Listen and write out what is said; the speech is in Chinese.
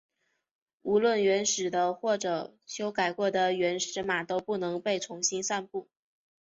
无论原始的或修改过的原始码都不能被重新散布。